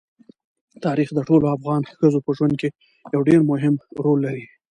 تاریخ د ټولو افغان ښځو په ژوند کې یو ډېر مهم رول لري.